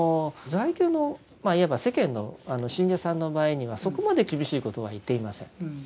在家のいわば世間の信者さんの場合にはそこまで厳しいことは言っていません。